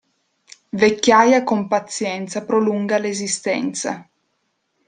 Vecchiaia con pazienza prolunga l'esistenza.